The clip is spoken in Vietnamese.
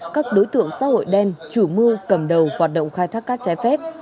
các đối tượng xã hội đen chủ mưu cầm đầu hoạt động khai thác cát trái phép